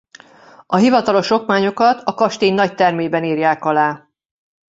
A hivatalos okmányokat a kastély nagytermében írják alá.